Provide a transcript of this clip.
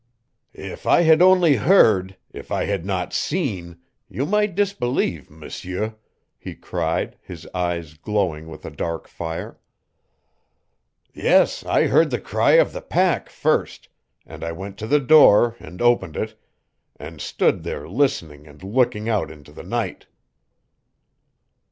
"If I had only HEARD, if I had not SEEN, you might disbelieve, M'sieu," he cried, his eyes glowing with a dark fire. "Yes, I heard the cry of the pack first, and I went to the door, and opened it, and stood there listening and looking out into the night.